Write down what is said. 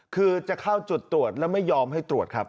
คือจะเข้าจุดตรวจแล้วไม่ยอมให้ตรวจครับ